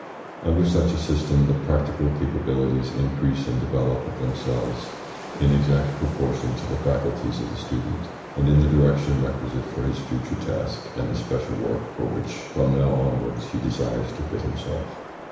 Under such a system the practical capabilities increase and develop of themselves in exact proportion to the faculties of the student, and in the direction requisite for his future task and the special work for which from now onwards he desires to fit himself.